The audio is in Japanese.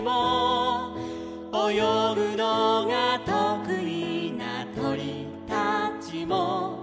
「およぐのがとくいなとりたちも」